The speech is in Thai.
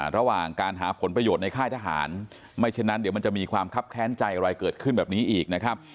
ระหว่างการหาผลประโยชน์ในค่ายทหารไม่ฉะนั้นเดี๋ยวมันจะมีความคับแค้นใจอะไรเกิดขึ้นแบบนี้อีกนะครับ